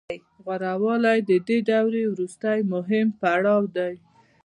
غوره والی د دورې وروستی مهم پړاو دی